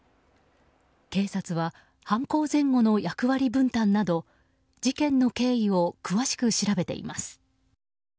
警察は、犯行前後の役割分担など事件の経緯を詳しく調べています。